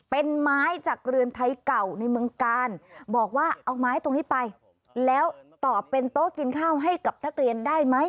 เป็นไม้จากเรือนไทยเก่าในเมืองกาลบอกว่าเอาไม้ตรงนี้ไปแล้วตอบเป็นโต๊ะกินข้าวให้กับนักเรียนได้ไหม